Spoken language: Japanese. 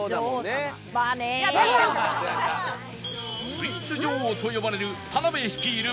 スイーツ女王と呼ばれる田辺率いる